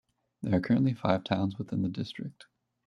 There are currently five towns within the district.